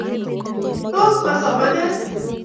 Tos ma somanet?